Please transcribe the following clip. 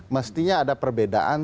mestinya ada perbedaan